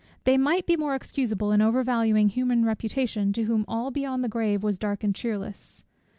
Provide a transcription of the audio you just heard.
They might be more excusable in over valuing human reputation to whom all beyond the grave was dark and cheerless.